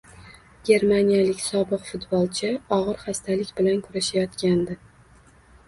Germaniyalik sobiq futbolchi og‘ir xastalik bilan kurashayotgandi